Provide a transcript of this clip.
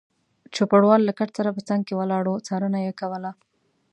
چوپړوال له کټ سره په څنګ کې ولاړ و، څارنه یې کوله.